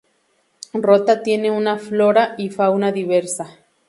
Rota tiene una flora y fauna diversa.